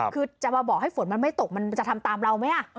คือจะมาบอกให้ฝนมันไม่ตกมันจะทำตามเราไหม